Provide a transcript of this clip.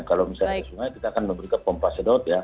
kalau misalnya ke sungai kita akan memberikan pompa sedot ya